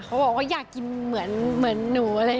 เขาบอกว่าอยากกินเหมือนหนูอะไร